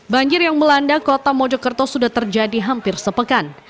banjir yang melanda kota mojokerto sudah terjadi hampir sepekan